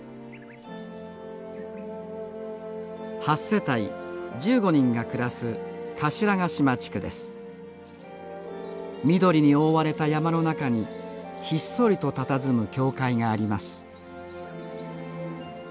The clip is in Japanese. ８世帯１５人が暮らす緑に覆われた山の中にひっそりとたたずむ教会があります